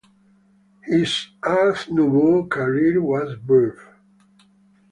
His Art Nouveau career was brief.